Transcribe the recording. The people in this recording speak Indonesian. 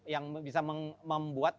yang bisa membuat